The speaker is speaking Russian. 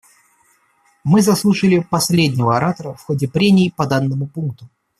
Мы заслушали последнего оратора в ходе прений по данному пункту.